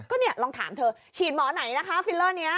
ก็เนี่ยลองถามเธอฉีดหมอไหนนะคะฟิลเลอร์นี้